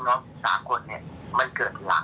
คงคิดว่าท่านก็ตั้งใจทำงานถ้าว่าคุณจะย้ายท่าน